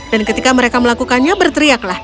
dan ketika mereka melakukannya berteriaklah